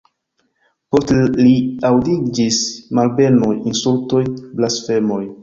Post li aŭdiĝis malbenoj, insultoj, blasfemoj!